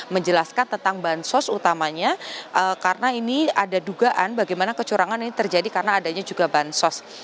menjelaskan tentang bansos utamanya karena ini ada dugaan bagaimana kecurangan ini terjadi karena adanya juga bansos